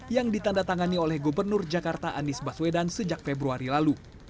yang ditanda tangani oleh gubernur jakarta anies baswedan sejak februari lalu